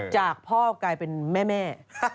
จากพ่อกลายเป็นแม่